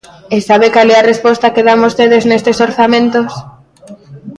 ¿E sabe cal é a resposta que dan vostedes nestes orzamentos?